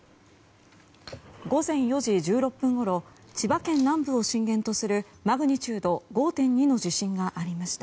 午前４時１６分ごろ千葉県南部を震源とするマグニチュード５．２の地震がありました。